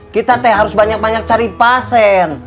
kita teh harus banyak banyak cari pasien